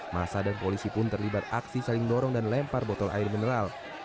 masa dan polisi pun terlibat aksi saling dorong dan lempar botol air mineral